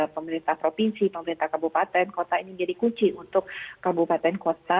pemerintah provinsi pemerintah kabupaten kota ini menjadi kunci untuk kabupaten kota